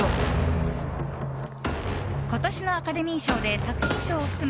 今年のアカデミー賞で作品賞を含む